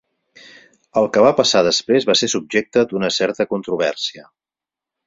El que va passar després va ser subjecte d'una certa controvèrsia.